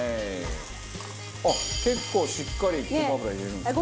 あっ結構しっかりごま油入れるんですね。